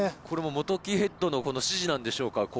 これも元木ヘッドの指示なんでしょうか。